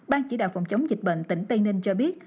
ban chỉ đạo phòng chống dịch bệnh tỉnh tây ninh cho biết